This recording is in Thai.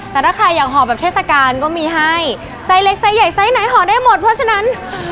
แต่ถ้าใครอยากห่อแบบเทศกาลก็มีให้ไซส์เล็กไซส์ใหญ่ไซส์ไหนห่อได้หมดเพราะฉะนั้น